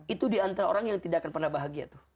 itu diantara orang yang tidak akan pernah bahagia tuh